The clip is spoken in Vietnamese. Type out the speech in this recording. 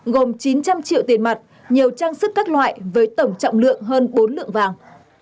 gồm chín trăm linh triệu tiền mặt nhiều trang sức các loại với tổng trọng lượng hơn bốn lượng vàng